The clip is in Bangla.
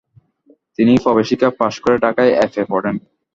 তিনি প্রবেশিকা পাশ করে ঢাকায় এফ.এ পড়েন।